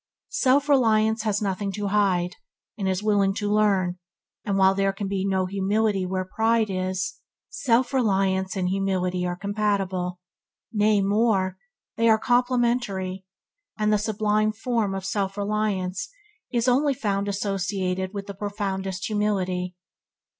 Self reliance has nothing to hide, and is willing to learn; and while there can be no humility where pride is, self reliance and humility are compatible, nay more, they are complementary, and the sublimes form of self reliance is only found associated with the profoundest humility.